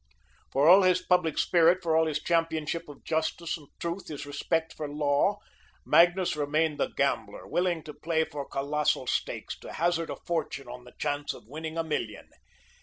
For all his public spirit, for all his championship of justice and truth, his respect for law, Magnus remained the gambler, willing to play for colossal stakes, to hazard a fortune on the chance of winning a million.